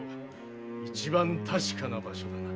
一番確かな場所だな。